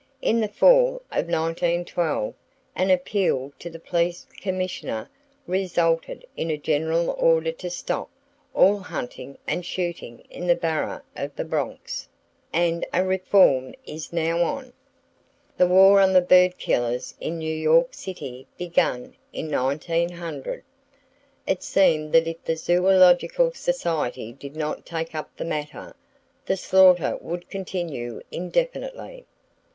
In the fall of 1912 an appeal to the Police Commissioner resulted in a general order to stop all hunting and shooting in the Borough of the Bronx, and a reform is now on. The war on the bird killers in New York City began in 1900. It seemed that if the Zoological Society did not take up the matter, the slaughter would continue indefinitely.